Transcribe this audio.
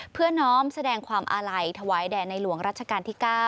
เพื่อน้อมแสดงความอาลัยถวายแด่ในหลวงรัชกาลที่๙